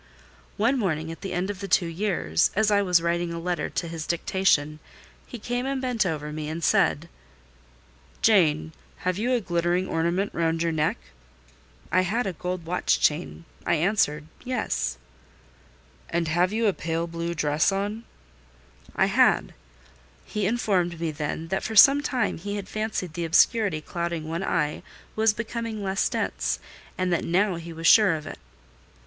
One morning at the end of the two years, as I was writing a letter to his dictation, he came and bent over me, and said—"Jane, have you a glittering ornament round your neck?" I had a gold watch chain: I answered "Yes." "And have you a pale blue dress on?" And have you a pale blue dress on? I had. He informed me then, that for some time he had fancied the obscurity clouding one eye was becoming less dense; and that now he was sure of it.